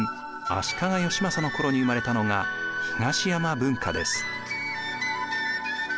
足利義政の頃に生まれたのが東山文化です。